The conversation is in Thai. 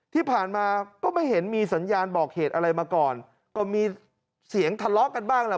ที่ผ่านมาก็ไม่เห็นมีสัญญาณบอกเหตุอะไรมาก่อนก็มีเสียงทะเลาะกันบ้างแหละ